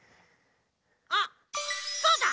あっそうだ！